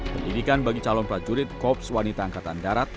pendidikan bagi calon prajurit kops wanita angkatan darat